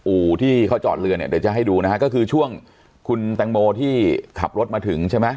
อู่ที่เขาจอดเรือเนี่ยเดี๋ยวจะให้ดูนะฮะก็คือช่วงคุณแตงโมที่ขับรถมาถึงใช่ไหม